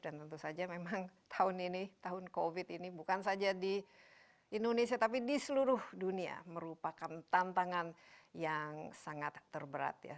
dan tentu saja memang tahun ini tahun covid ini bukan saja di indonesia tapi di seluruh dunia merupakan tantangan yang sangat terberat ya